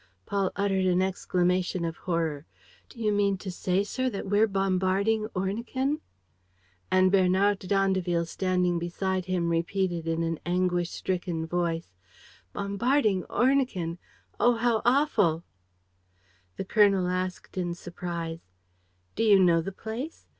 Paul uttered an exclamation of horror: "Do you mean to say, sir, that we're bombarding Ornequin? ..." And Bernard d'Andeville, standing beside him, repeated, in an anguish stricken voice: "Bombarding Ornequin? Oh, how awful!" The colonel asked, in surprise: "Do you know the place?